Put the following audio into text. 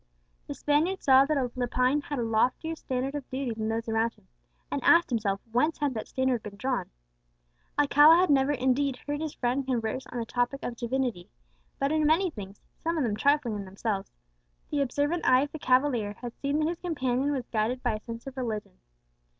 The Spaniard saw that Lepine had a loftier standard of duty than those around him, and asked himself whence had that standard been drawn. Alcala had never indeed heard his friend converse on the topic of Divinity; but in many things, some of them trifling in themselves, the observant eye of the cavalier had seen that his companion was guided by a sense of religion.